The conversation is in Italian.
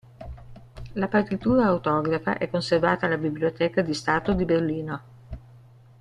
La partitura autografa è conservata alla Biblioteca di Stato di Berlino.